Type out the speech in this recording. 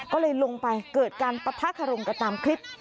ก็เลยลงไปเกิดการปะทะคารมกันตามคลิป